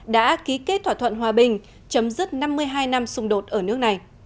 đã ký kết thỏa thuận hòa bình chấm dứt năm mươi hai năm xung đột ở nước này